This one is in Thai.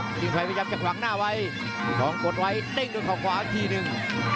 กิ้งไพรพยายามจับจากหลังหน้าไว้ทองกดไว้เด้งด้วยขวาอีกทีหนึ่ง